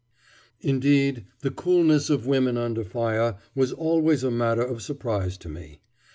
Indeed, the coolness of women under fire was always a matter of surprise to me.